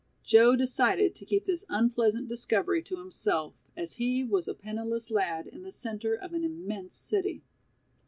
Joe decided to keep this unpleasant discovery to himself, as he was a penniless lad in the center of an immense city.